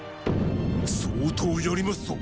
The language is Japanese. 相当やりますぞ